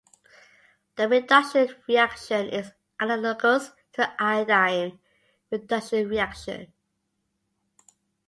The reduction reaction is analogous to the iodine reduction reaction.